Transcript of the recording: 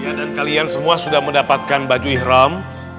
ya dan kalian semua sudah mendapatkan baju ikhram